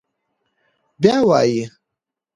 بيا وايي: